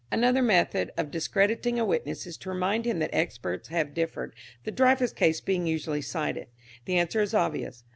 Another method of discrediting a witness is to remind him that experts have differed, the Dreyfus case being usually cited. The answer is obvious.